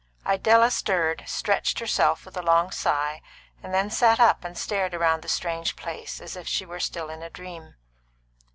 Idella stirred, stretched herself with a long sigh, and then sat up and stared round the strange place as if she were still in a dream.